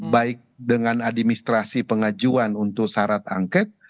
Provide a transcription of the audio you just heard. baik dengan administrasi pengajuan untuk syarat angket